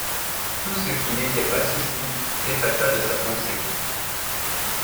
Tout ce qui n’était pas ceci s’effaça de sa pensée.